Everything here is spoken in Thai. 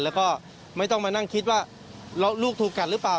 แล้วก็ไม่ต้องมานั่งคิดว่าลูกถูกกัดหรือเปล่า